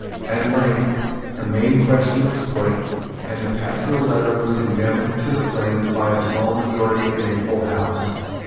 At length the main question was put; and the Pastoral Letter was condemned to the flames by a small majority in a full house.